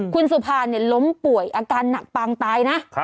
คุณสุภาล้มป่วยอาการหนักปางตายนะ